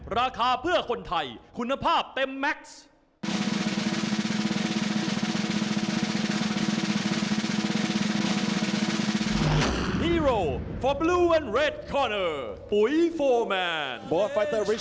บ๊อคไฟต์เตอร์เผาไฟต์ได้๑๙แต่พวกเขาอยู่ที่ดีกว่า๕๐๐๐บอร์ทอีก